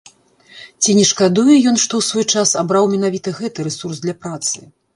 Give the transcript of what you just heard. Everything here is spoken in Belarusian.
Ці не шкадуе ён, што ў свой час абраў менавіта гэты рэсурс для працы?